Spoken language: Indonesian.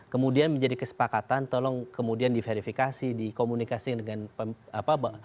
kemudian menjadi kesepakatan tolong kemudian diverifikasi dikomunikasi dengan kpu